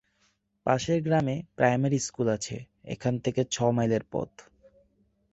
পাশের গ্রামে primary school আছে-এখান থেকে ছ মাইলের পথ।